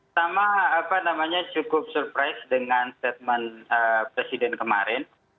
ya sama cukup surprise dengan statement presiden kemarin